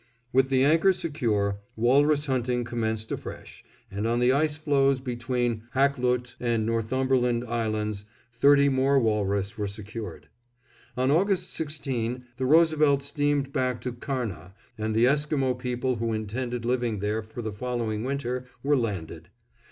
With the anchor secure, walrus hunting commenced afresh, and on the ice floes between Hakluyt and Northumberland Islands thirty more walrus were secured. On August 16, the Roosevelt steamed back to Karnah, and the Esquimo people who intended living there for the following winter were landed.